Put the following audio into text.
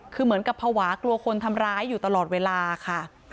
คือเหมือนกับภาวะกลัวคนทำร้ายอยู่ตลอดเวลาค่ะ